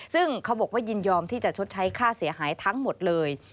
ซึ่งเขาบอกว่ายินยอมที่จะชดใช้ค่าเสียหายทั้งหมดเลย